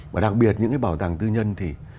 và đặc biệt những bảo tàng tư nhân thì